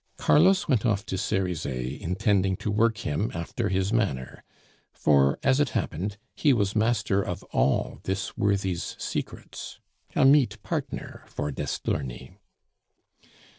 Carlos went off to Cerizet intending to work him after his manner; for, as it happened, he was master of all this worthy's secrets a meet partner for d'Estourny.